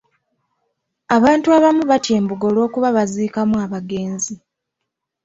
Abantu abamu batya embugo olw'okuba baziikamu abagenzi.